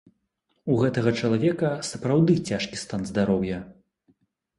У гэтага чалавека сапраўды цяжкі стан здароўя.